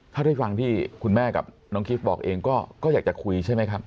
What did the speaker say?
ถ้าได้ฟังที่คุณแม่กับน้องกิฟต์บอกเองก็อยากจะคุยใช่ไหมครับ